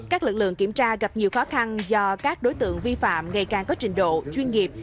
các lực lượng kiểm tra gặp nhiều khó khăn do các đối tượng vi phạm ngày càng có trình độ chuyên nghiệp